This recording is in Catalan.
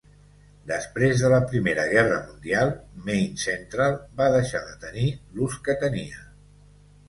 Després de la Primera Guerra Mundial, Maine Central va deixar de tenir l'ús que tenia.